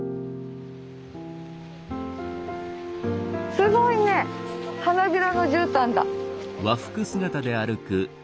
すごいね花びらのじゅうたんだ。